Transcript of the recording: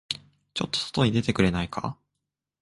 ちょっと外に出てくれないか。